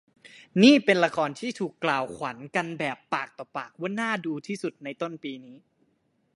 นี่เป็นละครที่ถูกกล่าวขวัญกันแบบปากต่อปากว่าน่าดูที่สุดในต้นปีนี้